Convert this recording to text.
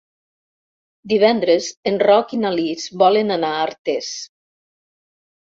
Divendres en Roc i na Lis volen anar a Artés.